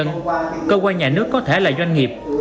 tuy nhiên cơ quan nhà nước có thể là doanh nghiệp